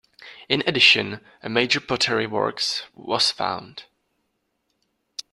In addition, a major pottery works was found.